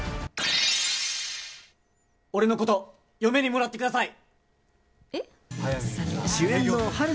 俺のこと嫁にもらってください！